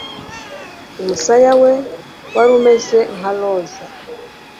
Umusaya we wari umeze nka roza